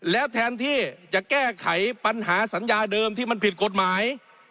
แล้วแทนที่จะแก้ไขปัญหาสัญญาเดิมที่มันผิดกฎหมาย